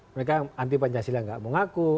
mereka anti pancasila nggak mau ngaku